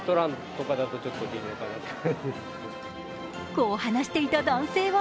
こう話していた男性は